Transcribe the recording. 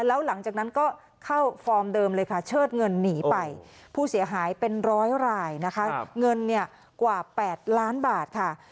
แล้วหลังจากนั้นก็เข้าฟอร์มเดิมเลยค่ะเชิดเงินหนีไปผู้เสียหายเป็นร้อยรายนะคะเงินเนี่ยกว่า๘ล้านบาทค่ะ